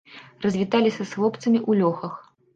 Развіталіся з хлопцамі ў лёхах.